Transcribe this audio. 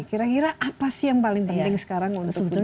kira kira apa sih yang paling penting sekarang